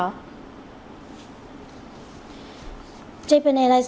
japan airlines ước tính thiệt hại khoảng một mươi năm tỷ yen tương đương với hơn một trăm linh triệu usd